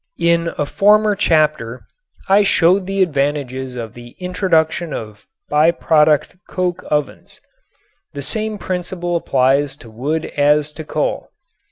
In a former chapter I showed the advantages of the introduction of by product coke ovens. The same principle applies to wood as to coal.